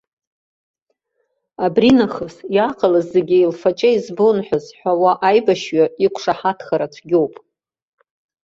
Абри нахыс, иааҟалаз зегьы еилфаҷа избон ҳәа зҳәауа аибашьҩы иқәшаҳаҭхара цәгьоуп.